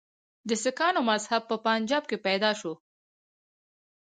د سکانو مذهب په پنجاب کې پیدا شو.